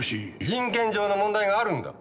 人権上の問題があるんだ。